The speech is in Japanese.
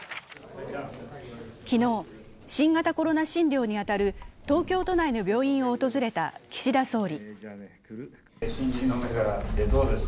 昨日新型コロナ診療に当たる東京都内の病院を訪れた岸田総理。